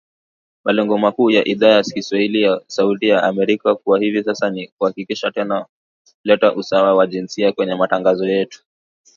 Malengo makuu ya Idhaa ya kiswahili ya Sauti ya Amerika kwa hivi sasa ni kuhakikisha tuna leta usawa wa jinsia kwenye matangazo yetu